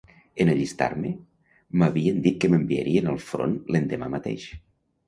En allistar-me, m'havien dit que m'enviarien al front l'endemà mateix